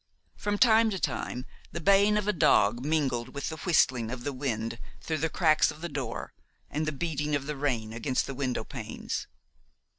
From time to time the baying of a dog mingled with the whistling of the wind through the cracks of the door and the beating of the rain against the window panes.